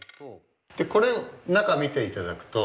これ中見て頂くと。